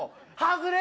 外れ